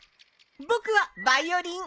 僕はバイオリン。